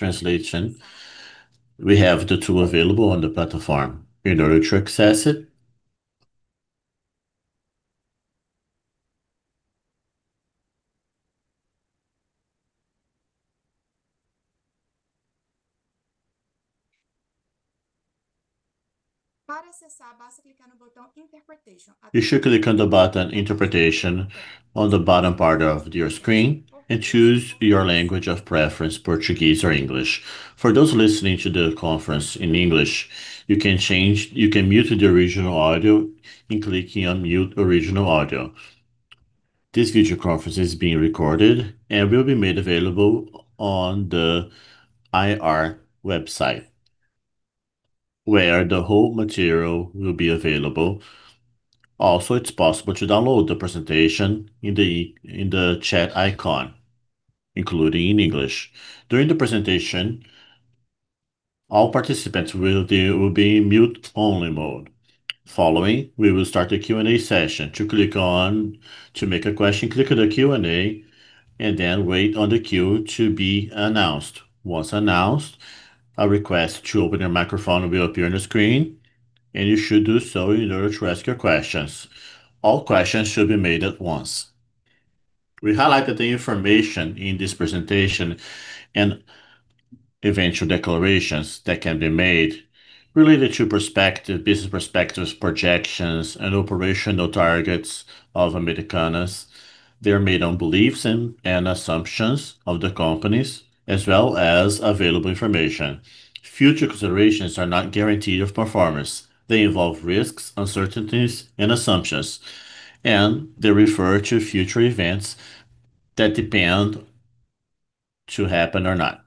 Translation. We have the tool available on the platform. In order to access it, you should click on the button Interpretation on the bottom part of your screen and choose your language of preference, Portuguese or English. For those listening to the conference in English, you can mute the original audio in clicking on Mute Original Audio. This video conference is being recorded and will be made available on the IR website, where the whole material will be available. Also, it's possible to download the presentation in the chat icon, including in English. During the presentation, all participants will be in mute-only mode. Following, we will start the Q&A session. To make a question, click on the Q&A and then wait on the queue to be announced. Once announced, a request to open your microphone will appear on your screen. You should do so in order to ask your questions. All questions should be made at once. We highlight that the information in this presentation and eventual declarations that can be made related to perspective, business perspectives, projections, and operational targets of Americanas, they are made on beliefs and assumptions of the companies as well as available information. Future considerations are not guaranteed of performance. They involve risks, uncertainties and assumptions. They refer to future events that depend to happen or not.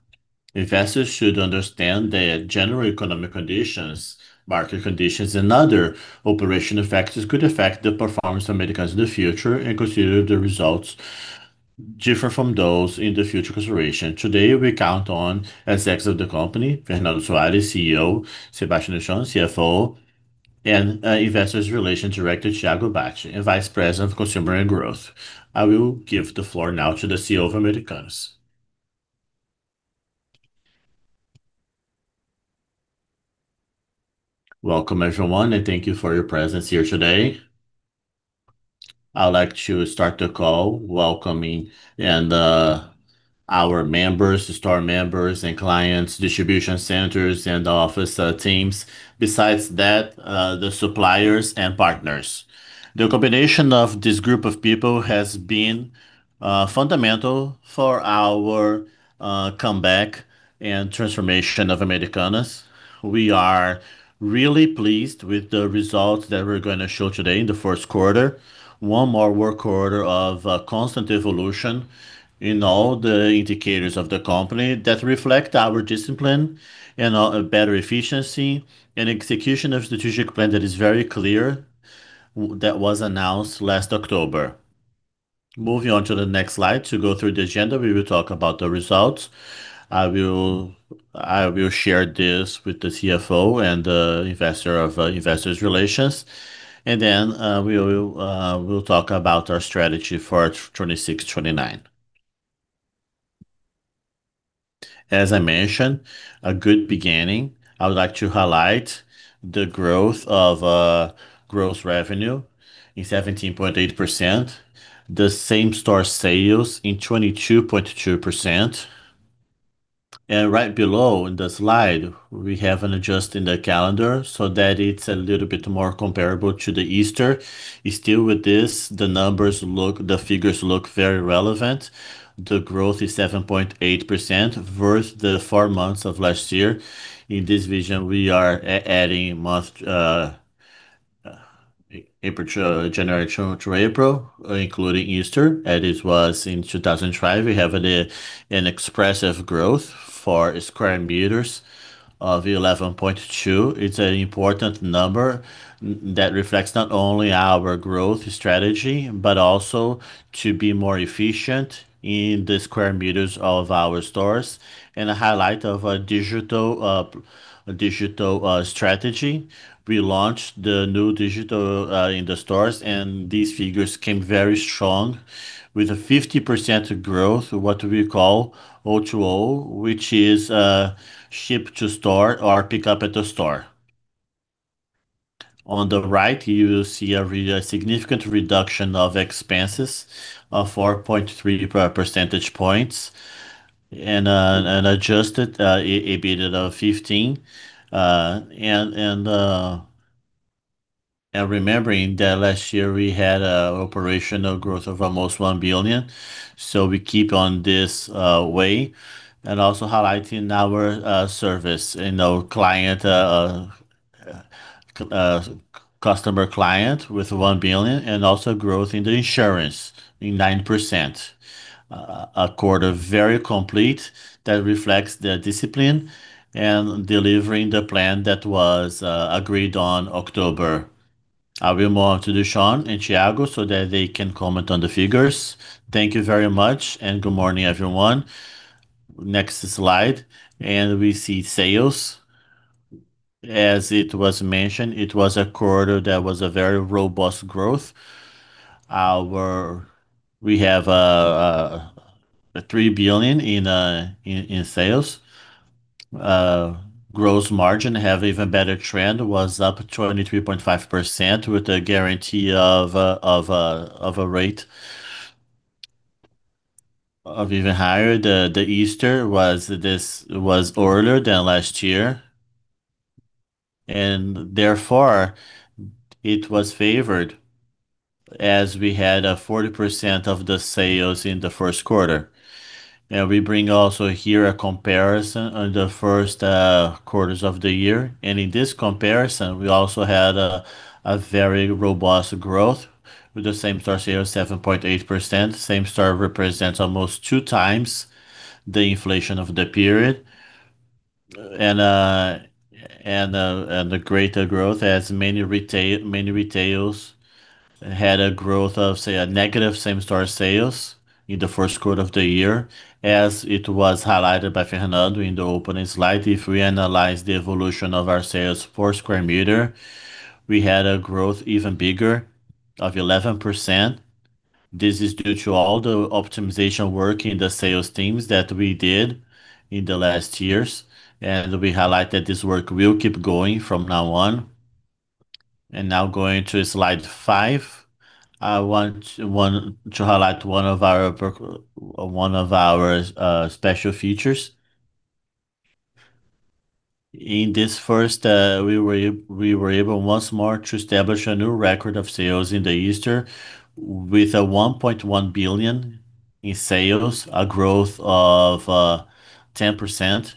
Investors should understand that general economic conditions, market conditions and other operational factors could affect the performance of Americanas in the future and consider the results differ from those in the future consideration. Today, we count on execs of the company, Fernando Soares, CEO, Sébastien Durchon, CFO, and Investor Relations Director Thiago Bacci, and Vice President of Consumer and Growth. I will give the floor now to the CEO of Americanas. Welcome, everyone, and thank you for your presence here today. I would like to start the call welcoming and our members, store members and clients, distribution centers and office teams. Besides that, the suppliers and partners. The combination of this group of people has been fundamental for our comeback and transformation of Americanas. We are really pleased with the results that we're gonna show today in the first quarter. One more work quarter of constant evolution in all the indicators of the company that reflect our discipline and better efficiency and execution of strategic plan that is very clear that was announced last October. Moving on to the next slide. To go through the agenda, we will talk about the results. I will share this with the CFO and the investor of Investor Relations. We will talk about our strategy for 2026, 2029. As I mentioned, a good beginning. I would like to highlight the growth of gross revenue in 17.8%, the same-store sales in 22.2%, and right below in the slide we have an adjust in the calendar so that it's a little bit more comparable to the Easter. Still with this, the figures look very relevant. The growth is 7.8% versus the four months of last year. In this vision, we are adding month April to January to April, including Easter, it was in 2005. We have an expressive growth for square meters of 11.2. It's an important number that reflects not only our growth strategy, but also to be more efficient in the square meters of our stores and a highlight of a digital strategy. We launched the new digital in the stores, these figures came very strong with a 50% growth, what we call O2O, which is ship to store or pick up at the store. On the right, you will see a significant reduction of expenses of 4.3 percentage points, an adjusted EBITDA of 15. Remembering that last year we had an operational growth of almost 1 billion, so we keep on this way. Also highlighting our service in our customer client with 1 billion and also growth in the insurance in 9%. A quarter very complete that reflects the discipline and delivering the plan that was agreed on October. I will move on to Durchon and Thiago so that they can comment on the figures. Thank you very much and good morning, everyone. Next slide. We see sales. As it was mentioned, it was a quarter that was a very robust growth. Where we have BRL 3 billion in sales. Gross margin have even better trend, was up 23.5% with a guarantee of a rate of even higher. The Easter was earlier than last year, and therefore it was favored as we had a 40% of the sales in the first quarter. We bring also here a comparison on the first quarters of the year. In this comparison, we also had a very robust growth with the same-store sales 7.8%. Same store represents almost 2 times the inflation of the period. The greater growth as many retails had a growth of, say, a negative same-store sales in the first quarter of the year. As it was highlighted by Fernando in the opening slide, if we analyze the evolution of our sales 4 square meters, we had a growth even bigger of 11%. This is due to all the optimization work in the sales teams that we did in the last years, we highlighted this work will keep going from now on. Now going to slide five, I want to highlight one of our special features. In this first, we were able once more to establish a new record of sales in the Easter with 1.1 billion in sales, a growth of 10%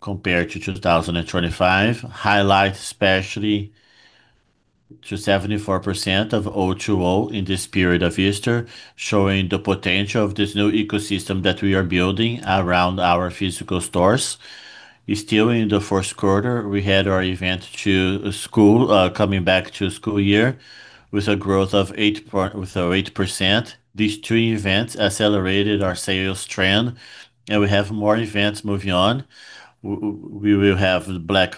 compared to 2025. Highlight especially to 74% of O2O in this period of Easter, showing the potential of this new ecosystem that we are building around our physical stores. Still in the first quarter, we had our event to school, coming back to school year with a growth of 8%. These two events accelerated our sales trend. We have more events moving on. We will have Black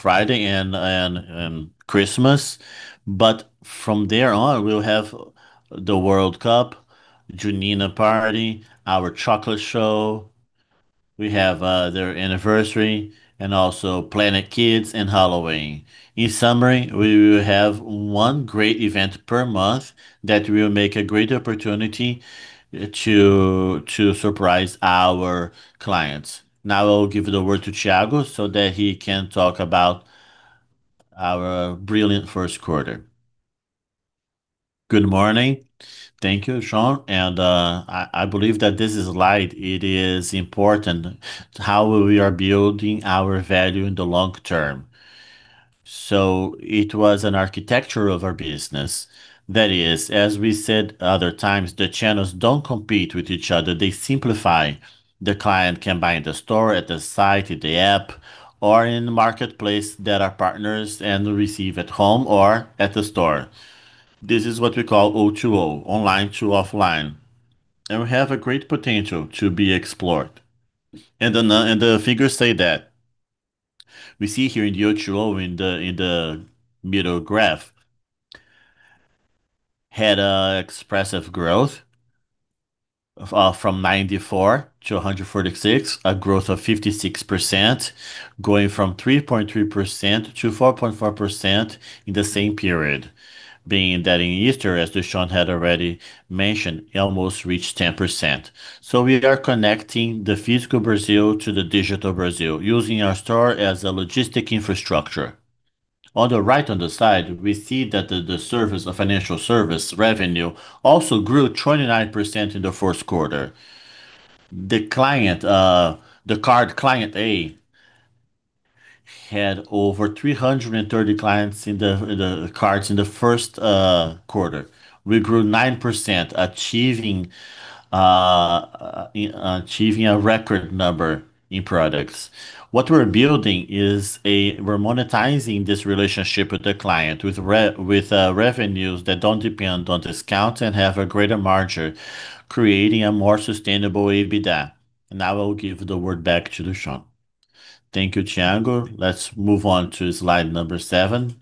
Friday and Christmas. From there on, we'll have the World Cup, Junina party, our Chocolate show. We have their anniversary and also Planet Kids and Halloween. In summary, we will have one great event per month that will make a great opportunity to surprise our clients. Now I'll give the word to Thiago so that he can talk about our brilliant first quarter. Good morning. Thank you, Durchon. I believe that this slide, it is important how we are building our value in the long term. It was an architecture of our business. That is, as we said other times, the channels don't compete with each other, they simplify. The client can buy in the store, at the site, in the app, or in the marketplace that are partners and receive at home or at the store. This is what we call O2O, Online-to-Offline, and we have a great potential to be explored. The figures say that. We see here in the O2O in the, in the middle graph, had an expressive growth from 94 to 146, a growth of 56%, going from 3.3% to 4.4% in the same period. Being that in Easter, as Durchon had already mentioned, it almost reached 10%. We are connecting the physical Brazil to the digital Brazil, using our store as a logistic infrastructure. On the right on the side, we see that the financial service revenue also grew 29% in the first quarter. The card Cliente A had over 330 clients in the cards in the first quarter. We grew 9%, achieving a record number in products. What we're building is we're monetizing this relationship with the client with revenues that don't depend on discount and have a greater margin, creating a more sustainable EBITDA. I'll give the word back to Durchon. Thank you, Thiago. Let's move on to slide number seven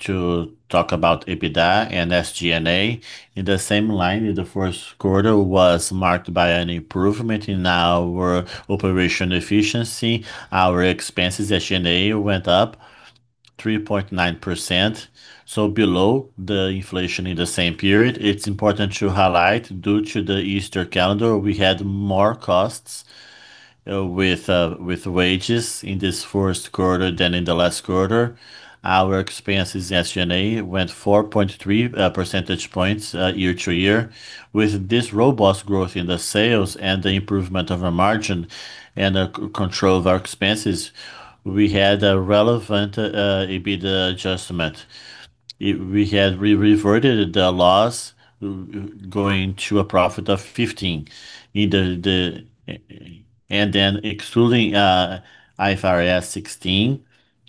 to talk about EBITDA and SG&A. In the same line, the first quarter was marked by an improvement in our operation efficiency. Our expenses, SG&A, went up 3.9%, below the inflation in the same period. It's important to highlight, due to the Easter calendar, we had more costs with wages in this first quarter than in the last quarter. Our expenses, SG&A, went 4.3 percentage points year-to-year. With this robust growth in the sales and the improvement of our margin and the control of our expenses, we had a relevant EBITDA adjustment. We had reverted the loss going to a profit of 15 and then excluding IFRS 16,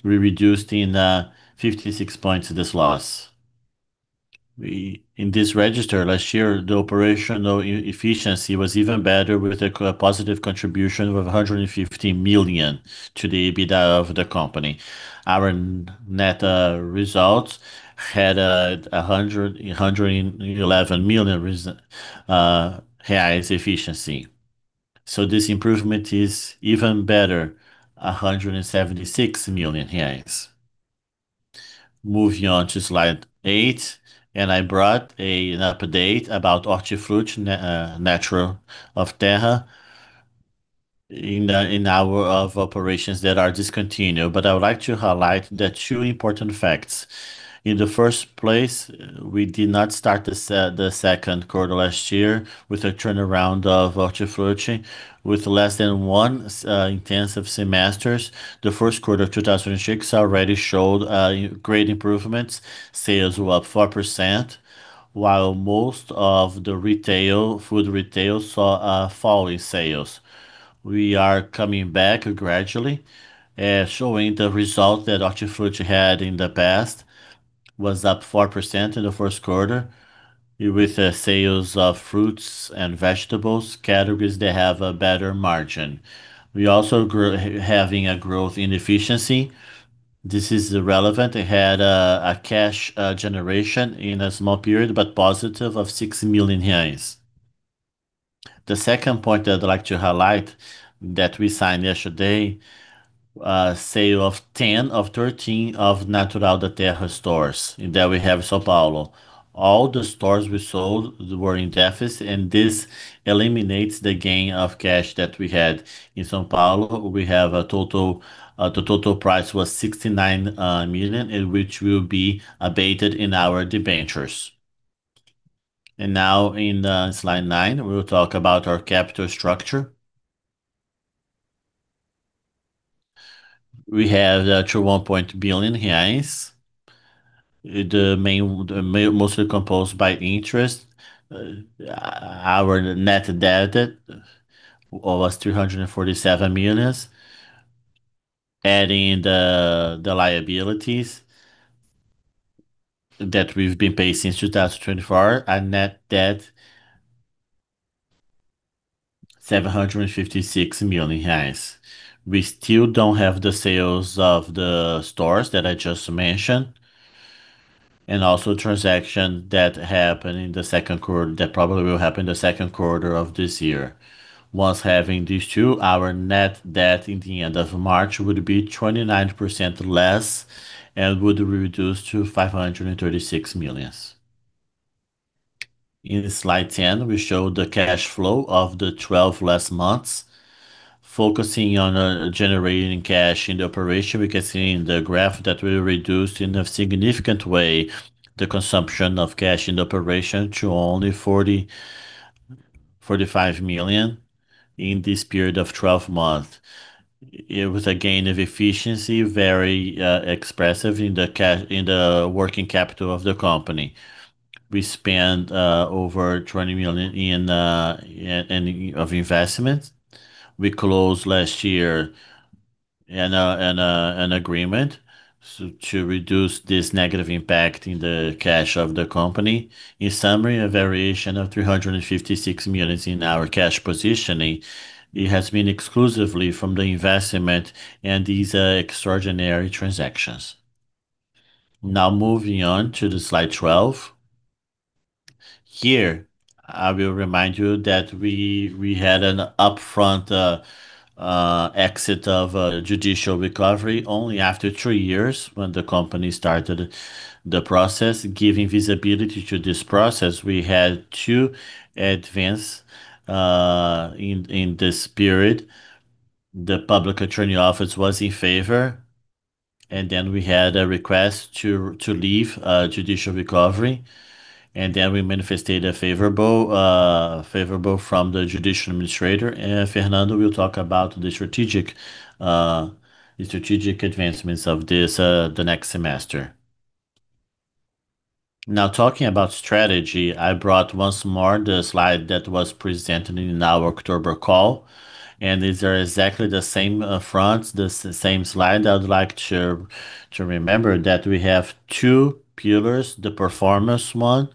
we reduced in 56 points this loss. We, in this register last year, the operational efficiency was even better with a positive contribution of 150 million to the EBITDA of the company. Our net results had BRL 111 million efficiency. This improvement is even better, 176 million reais. Moving on to slide eight, I brought an update about Hortifruti Natural da Terra in our operations that are discontinued. I would like to highlight the two important facts. In the 1st place, we did not start the second quarter last year with a turnaround of Hortifruti. With less than one intensive semesters, the first quarter 2026 already showed great improvements. Sales were up 4%, while most of the retail, food retail saw fall in sales. We are coming back gradually, showing the result that Hortifruti had in the past was up 4% in the first quarter with the sales of fruits and vegetables categories that have a better margin. We also having a growth in efficiency. This is relevant. It had a cash generation in a small period, but positive of 6 million reais. The second point I'd like to highlight that we signed yesterday, sale of 10 of 13 of Natural da Terra stores that we have in São Paulo. All the stores we sold were in deficit, and this eliminates the gain of cash that we had. In São Paulo, we have the total price was 69 million, which will be abated in our debentures. Now in slide nine, we'll talk about our capital structure. We have up to 1.1 billion reais. The mostly composed by interest. Our net debt was BRL 347 million. Adding the liabilities that we've been paying since 2024, our net debt 756 million reais. We still don't have the sales of the stores that I just mentioned, and also transaction that happened in the second quarter that probably will happen in the second quarter of this year. Once having these two, our net debt at the end of March would be 29% less and would reduce to 536 million. In slide 10, we show the cash flow of the 12 last months, focusing on generating cash in the operation. We can see in the graph that we reduced in a significant way the consumption of cash in the operation to only 40-45 million in this period of 12 months. It was a gain of efficiency, very expressive in the working capital of the company. We spent over 20 million in investments. We closed last year an agreement to reduce this negative impact in the cash of the company. In summary, a variation of 356 million in our cash positioning. It has been exclusively from the investment and these extraordinary transactions. Now moving on to slide 12. Here, I will remind you that we had an upfront exit of a judicial recovery only after three years when the company started the process. Giving visibility to this process, we had to advance in this period. The public attorney office was in favor, and then we had a request to leave judicial recovery, and then we manifested a favorable from the judicial administrator. Fernando will talk about the strategic advancements of this, the next semester. Now talking about strategy, I brought once more the slide that was presented in our October call, these are exactly the same fronts, the same slide. I would like to remember that we have two pillars, the performance one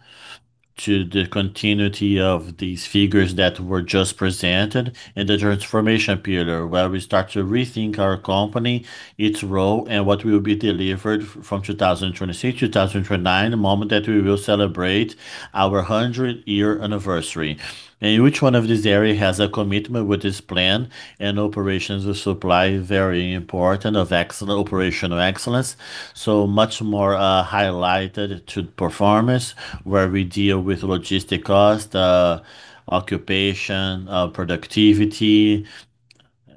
to the continuity of these figures that were just presented, the transformation pillar, where we start to rethink our company, its role, and what will be delivered from 2026, 2029, the moment that we will celebrate our hundred-year anniversary. Which one of this area has a commitment with this plan and operations of supply very important of operational excellence. Much more highlighted to performance, where we deal with logistic cost, occupation, productivity,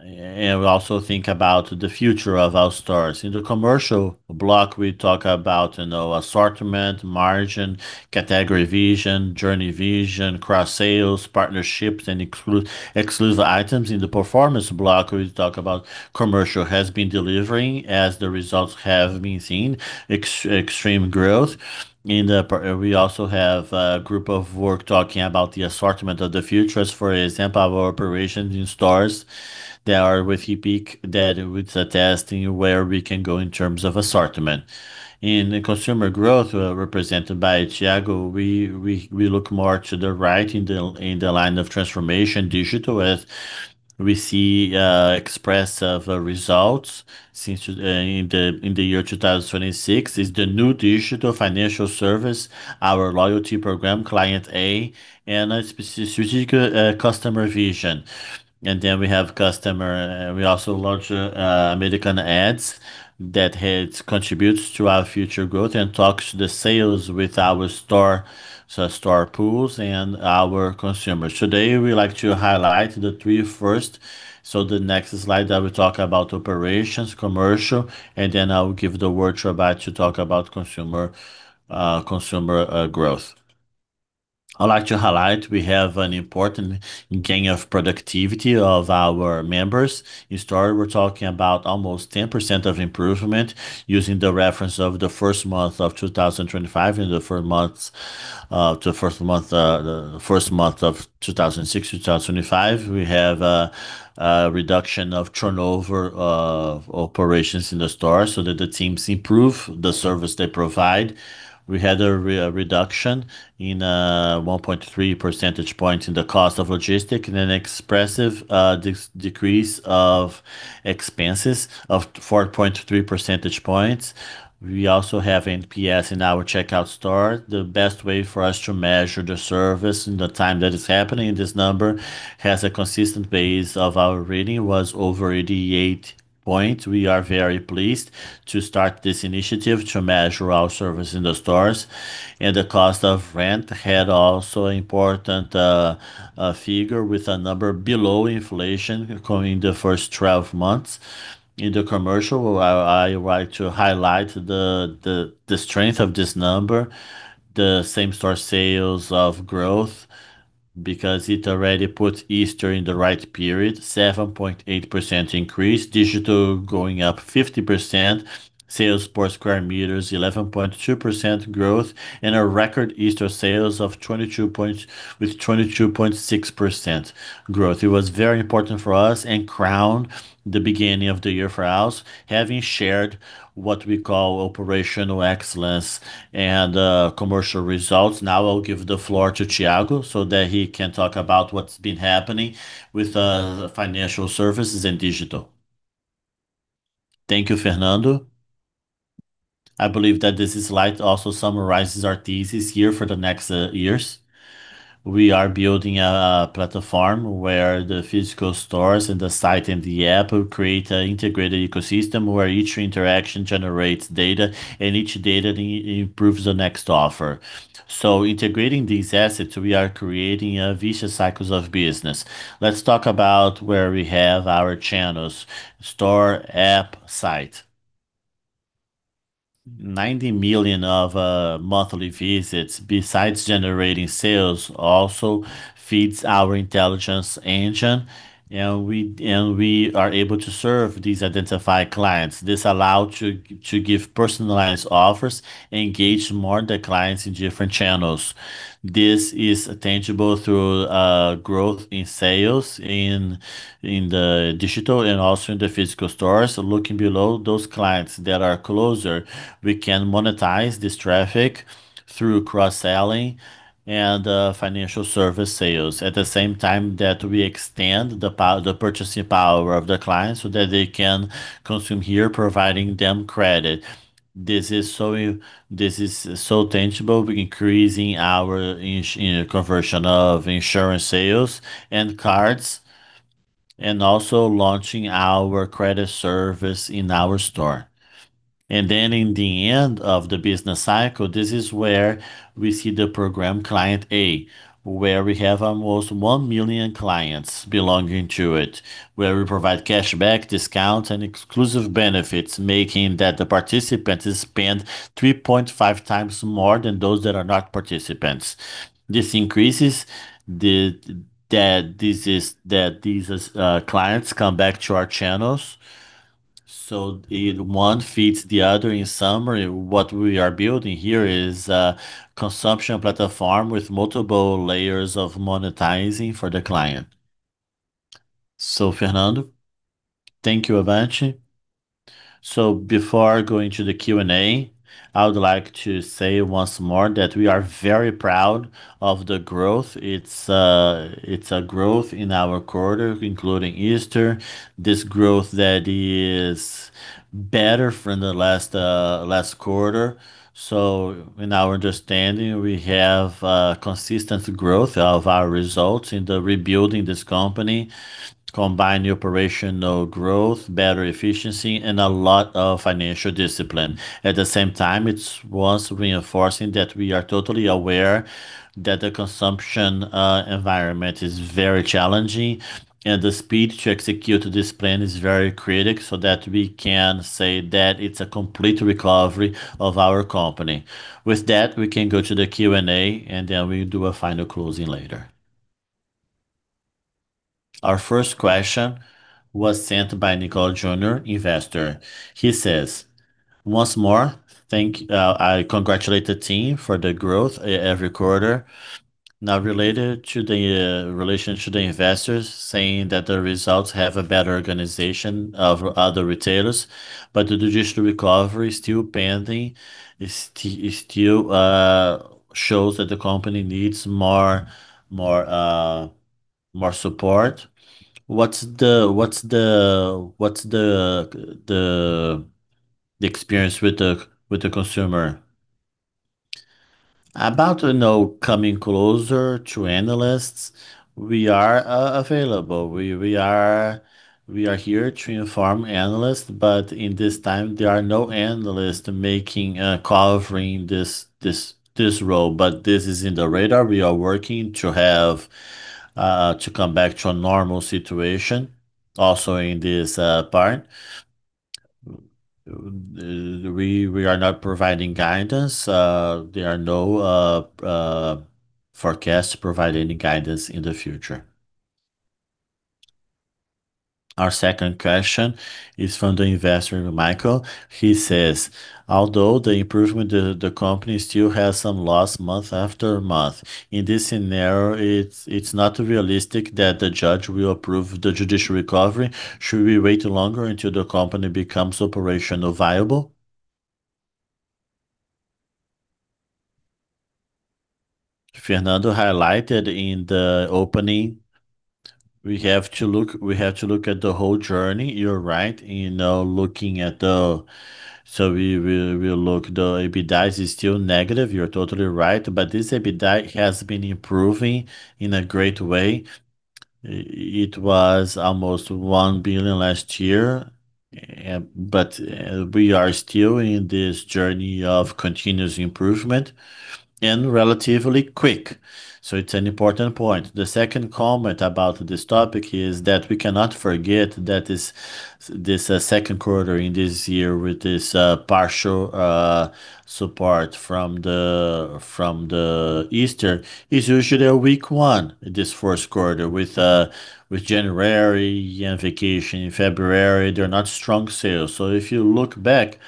we also think about the future of our stores. In the commercial block, we talk about, you know, assortment, margin, category vision, journey vision, cross-sales, partnerships, and exclusive items. In the performance block, we talk about commercial has been delivering as the results have been seen, extreme growth. We also have a group of work talking about the assortment of the futures. For example, our operations in stores that are with Epic with the testing where we can go in terms of assortment. In the consumer growth, represented by Thiago, we look more to the right in the line of transformation digital. We see express of results since in the year 2026 is the new digital financial service, our loyalty program, Cliente A, and a specific customer vision. We also launched Americanas Ads that helps contributes to our future growth and talks the sales with our store, so store pools and our consumers. Today, we like to highlight the three first. The next slide, I will talk about operations, commercial, and then I will give the word to Bacci to talk about consumer growth. I'd like to highlight we have an important gain of productivity of our members. In store, we're talking about almost 10% of improvement using the reference of the first month of 2025. In the first months, the first month of 2025, we have a reduction of turnover of operations in the store so that the teams improve the service they provide. We had a re-reduction in 1.3 percentage points in the cost of logistic and an expressive decrease of expenses of 4.3 percentage points. We also have NPS in our checkout store. The best way for us to measure the service in the time that is happening, this number has a consistent base of our reading was over 88 point. We are very pleased to start this initiative to measure our service in the stores. The cost of rent had also important figure with a number below inflation coming the first 12 months. In the commercial, I like to highlight the strength of this number, the same-store sales of growth, because it already puts Easter in the right period, 7.8% increase, digital going up 50%, sales per square meters 11.2% growth, a record Easter sales with 22.6% growth. It was very important for us and crowned the beginning of the year for us, having shared what we call operational excellence and commercial results. Now I'll give the floor to Thiago so that he can talk about what's been happening with financial services and digital. Thank you, Fernando. I believe that this slide also summarizes our thesis here for the next years. We are building a platform where the physical stores and the site and the app will create an integrated ecosystem where each interaction generates data, and each data improves the next offer. Integrating these assets, we are creating a vicious cycles of business. Let's talk about where we have our channels: store, app, site. 90 million of monthly visits, besides generating sales, also feeds our intelligence engine, and we are able to serve these identified clients. This allow to give personalized offers, engage more the clients in different channels. This is tangible through growth in sales in the digital and also in the physical stores. Looking below those clients that are closer, we can monetize this traffic through cross-selling and financial service sales. At the same time that we extend the purchasing power of the client so that they can consume here, providing them credit. This is so tangible, increasing our conversion of insurance sales and cards, also launching our credit service in our store. In the end of the business cycle, this is where we see the program Cliente A, where we have almost 1 million clients belonging to it, where we provide cashback, discounts, and exclusive benefits, making that the participants spend 3.5 times more than those that are not participants. This increases that these clients come back to our channels. It one feeds the other. In summary, what we are building here is a consumption platform with multiple layers of monetizing for the client. Fernando? Thank you, Bacci. Before going to the Q&A, I would like to say once more that we are very proud of the growth. It's a growth in our quarter, including Easter. This growth that is better from the last quarter. In our understanding, we have consistent growth of our results in the rebuilding this company, combining operational growth, better efficiency, and a lot of financial discipline. At the same time, it's worth reinforcing that we are totally aware that the consumption environment is very challenging, and the speed to execute this plan is very critical so that we can say that it's a complete recovery of our company. With that, we can go to the Q&A, and then we'll do a final closing later. Our first question was sent by [Nicole Junior], investor. He says, "Once more, I congratulate the team for the growth every quarter. Related to the relation to the investors saying that the results have a better organization of other retailers, the judicial recovery is still pending. It still shows that the company needs more support. What's the experience with the consumer?" About, you know, coming closer to analysts, we are available. We are here to inform analysts, in this time there are no analysts making covering this role. This is in the radar. We are working to have to come back to a normal situation also in this part. We are not providing guidance. There are no forecasts to provide any guidance in the future. Our second question is from the investor Michael. He says, "Although the improvement, the company still has some loss month after month. In this scenario, it's not realistic that the judge will approve the judicial recovery. Should we wait longer until the company becomes operational viable?" Fernando highlighted in the opening we have to look at the whole journey. You're right in looking. So we'll look. The EBITDA is still negative, you're totally right, but this EBITDA has been improving in a great way. It was almost 1 billion last year, but we are still in this journey of continuous improvement and relatively quick. It's an important point. The second comment about this topic is that we cannot forget that this second quarter in this year with this partial support from the Easter is usually a weak one, this first quarter with January and vacation in February. They're not strong sales. If you look back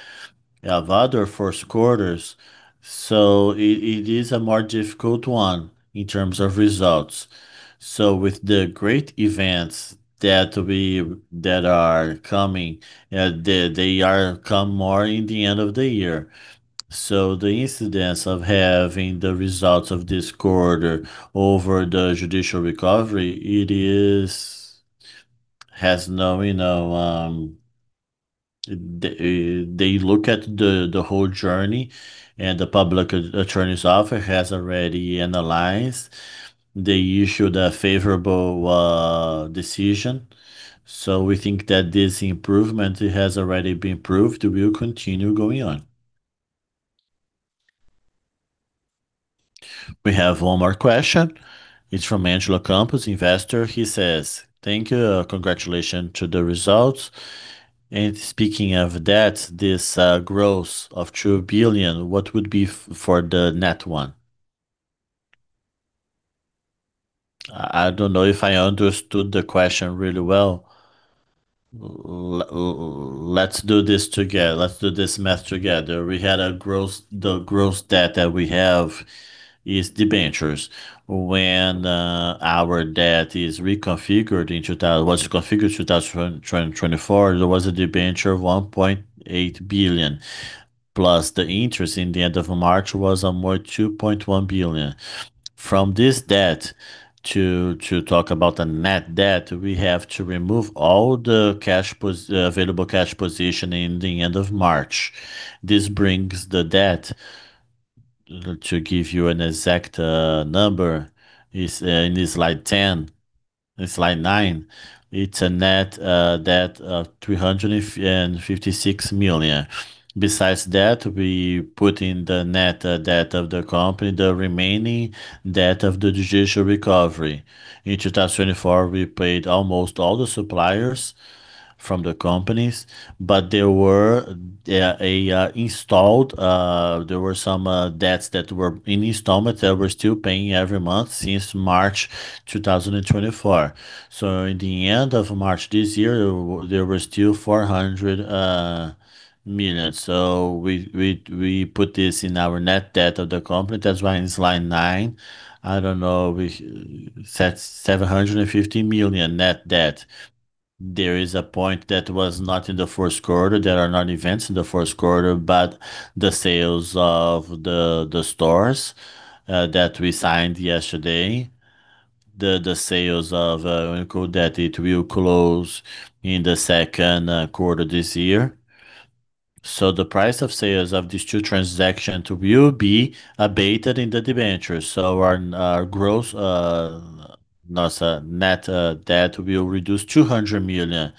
at other first quarters, it is a more difficult one in terms of results. With the great events that are coming, they are come more in the end of the year. The incidence of having the results of this quarter over the judicial recovery, it has no, you know, they look at the whole journey, and the public attorney's office has already analyzed. They issued a favorable decision. We think that this improvement, it has already been proved, will continue going on. We have one more question. It's from [Angelo Campos], investor. He says, "Thank you. Congratulations to the results." Speaking of that, this gross of 2 billion, what would be for the net one? I don't know if I understood the question really well. Let's do this math together. We had the gross debt that we have is debentures. When our debt is reconfigured in 2024, there was a debenture of 1.8 billion, plus the interest in the end of March was almost 2.1 billion. From this debt to talk about the net debt, we have to remove all the available cash position in the end of March. This brings the debt, to give you an exact number, is in the slide 10. In slide nine, it's a net debt of 356 million. Besides that, we put in the net debt of the company, the remaining debt of the judicial recovery. In 2024, we paid almost all the suppliers from the companies, but there were installed, there were some debts that were in installments that we're still paying every month since March 2024. In the end of March this year, there were still 400 million. We put this in our net debt of the company. That's why in slide nine, I don't know, we set 750 million net debt. There is a point that was not in the first quarter. There are non-events in the first quarter, the sales of the stores that we signed yesterday, the sales of that it will close in the second quarter this year. The price of sales of these two transactions will be abated in the debentures. Our net debt will reduce 200 million.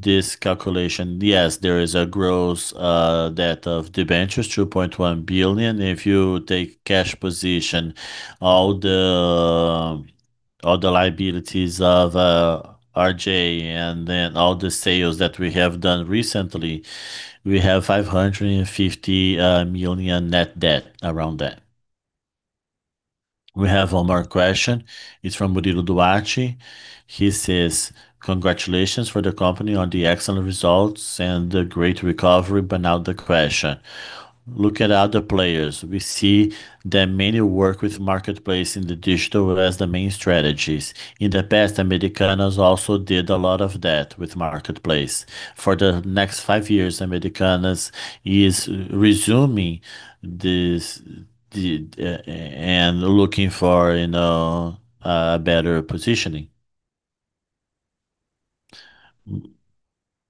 This calculation, yes, there is a gross debt of debentures, 2.1 billion. If you take cash position, all the liabilities of judicial recovery and then all the sales that we have done recently, we have 550 million net debt around that. We have one more question. It's from [Murilo Duaci]. He says, "Congratulations for the company on the excellent results and the great recovery." Now the question. Look at other players. We see that many work with marketplace in the digital as the main strategies. In the past, Americanas also did a lot of that with marketplace. For the next five years, Americanas is resuming this, the, and looking for, you know, better positioning.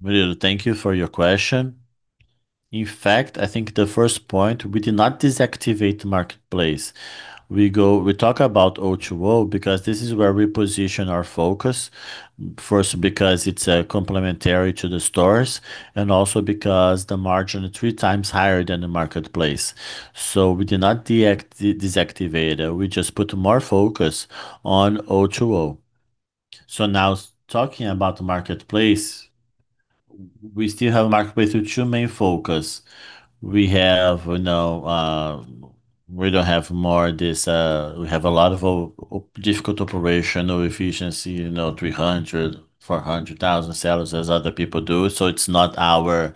[Murilo], thank you for your question. In fact, I think the first point, we did not deactivate marketplace. We talk about O2O because this is where we position our focus. First, because it's complementary to the stores, and also because the margin is three times higher than the marketplace. We did not deactivate it, we just put more focus on O2O. Now talking about the marketplace, we still have marketplace with two main focus. We have, you know, we don't have more this, we have a lot of difficult operational efficiency, you know, 300, 400 thousand sellers as other people do. It's not our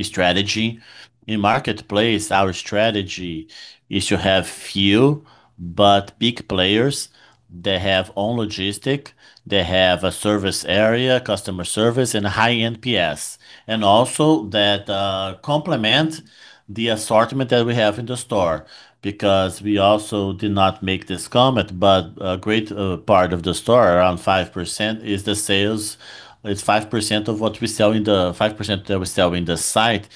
strategy. In marketplace, our strategy is to have few but big players that have own logistic, that have a service area, customer service, and a high NPS. Also that complement the assortment that we have in the store. Because we also did not make this comment, but a great part of the store, around 5% is the sales. It's 5% of what we sell 5% that we sell in the site.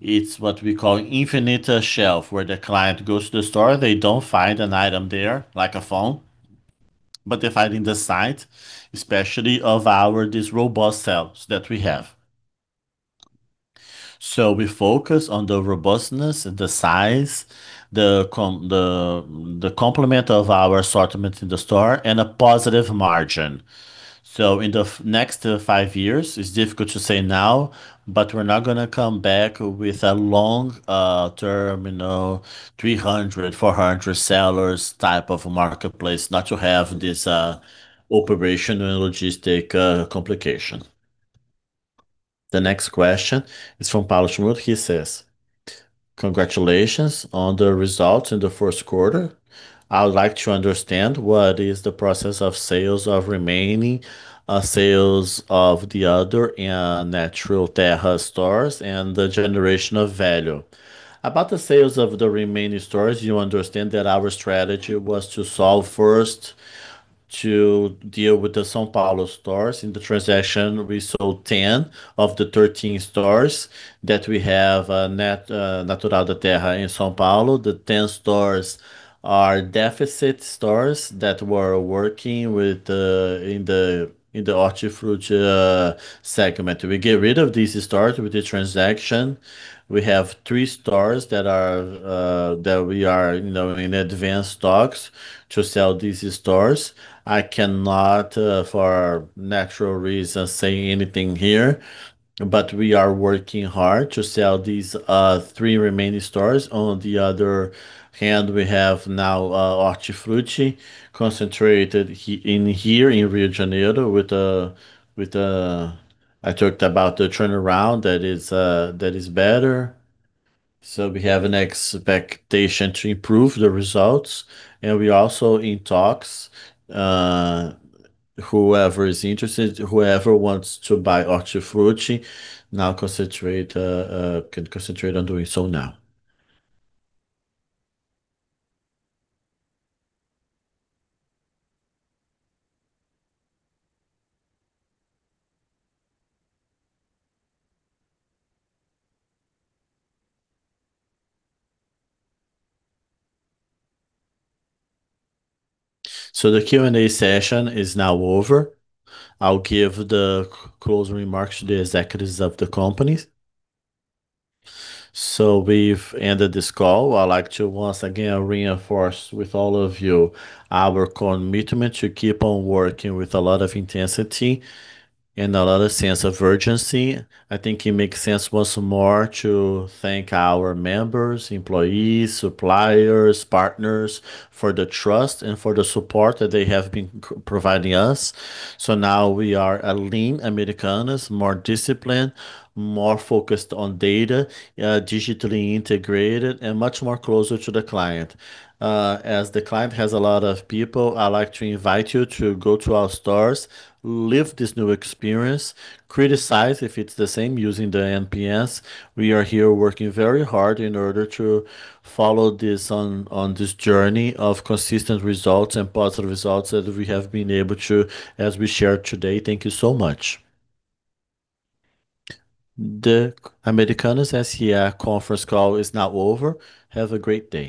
It's what we call infinite shelf, where the client goes to the store, they don't find an item there, like a phone, but they find in the site, especially of these robust sales that we have. We focus on the robustness, the size, the complement of our assortment in the store, and a positive margin. In the next five years, it's difficult to say now, but we're not gonna come back with a long-term, you know, 300, 400 sellers type of marketplace, not to have this operational and logistic complication. The next question is from [Paulo Schmaltz]. He says, "Congratulations on the results in the first quarter. I would like to understand what is the process of sales of remaining sales of the other Natural da Terra stores and the generation of value. About the sales of the remaining stores, you understand that our strategy was to solve first to deal with the São Paulo stores. In the transaction, we sold 10 of the 13 stores that we have Natural da Terra in São Paulo. The 10 stores are deficit stores that were working with in the Hortifruti segment. We get rid of these stores with the transaction. We have three stores that are that we are now in advanced talks to sell these stores. I cannot for natural reasons say anything here, we are working hard to sell these three remaining stores. On the other hand, we have now Hortifruti concentrated in here in Rio de Janeiro with, I talked about the turnaround that is better. We have an expectation to improve the results. We also in talks, whoever is interested, whoever wants to buy Hortifruti now concentrate, can concentrate on doing so now. The Q&A session is now over. I'll give the closing remarks to the executives of the company. We've ended this call. I'd like to once again reinforce with all of you our commitment to keep on working with a lot of intensity and a lot of sense of urgency. I think it makes sense once more to thank our members, employees, suppliers, partners for the trust and for the support that they have been providing us. Now we are a lean Americanas, more disciplined, more focused on data, digitally integrated, and much more closer to the client. As the client has a lot of people, I'd like to invite you to go to our stores, live this new experience, criticize if it's the same using the NPS. We are here working very hard in order to follow this on this journey of consistent results and positive results that we have been able to, as we shared today. Thank you so much. The Americanas S.A. conference call is now over. Have a great day.